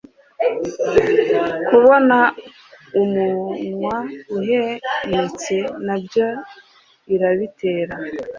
kubona umunwa uhemetse nabyo irabitera